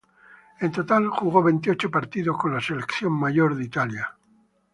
En total jugó veintiocho partidos con la selección mayor de Italia.